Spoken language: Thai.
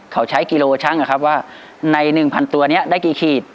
เขาใช้กิโลช่างอะครับว่าใน๑๐๐ตัวนี้ได้กี่ขีด